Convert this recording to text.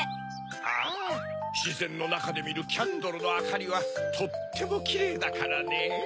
ああしぜんのなかでみるキャンドルのあかりはとってもキレイだからねぇ。